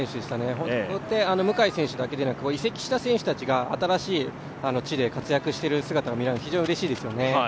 向井選手だけでなく移籍した選手が新しい地で活躍する姿を見られるのは非常にうれしいですよね。